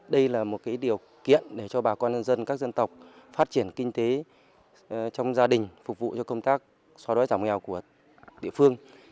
đây là một điều kiện để cho bà con nhân dân các dân tộc phát triển kinh tế trong gia đình phục vụ cho công tác so đói giảm nghèo của địa phương